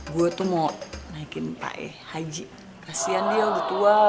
gue tuh mau naikin pae haji kasian dia udah tua